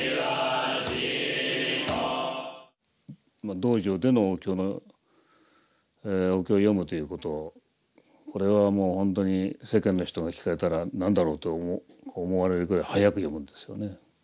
道場でのお経を読むということこれはもう本当に世間の人が聞かれたら何だろうと思われるぐらい早く読むんですよね。